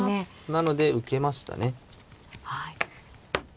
なので受けましたね。